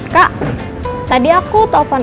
kak tadi aku top up